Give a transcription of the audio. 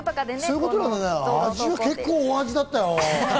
味は結構、大味だったよ。